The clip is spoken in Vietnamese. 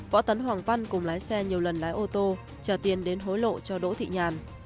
võ tấn hoàng văn cùng lái xe nhiều lần lái ô tô chở tiền đến hối lộ cho đỗ thị nhàn